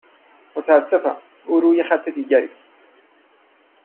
متاسفم، او روی خط دیگری است.